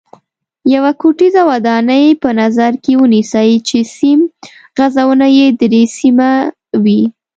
یوه کوټیزه ودانۍ په نظر کې ونیسئ چې سیم غځونه یې درې سیمه وي.